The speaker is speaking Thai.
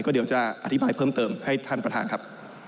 เดี๋ยวจะอธิบายเพิ่มเติมให้ท่านประธานครับ